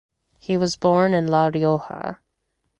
He was born in la Rioja.